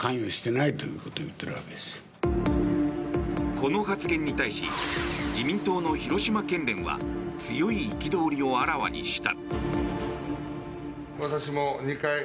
この発言に対し自民党の広島県連は強い憤りをあらわにした。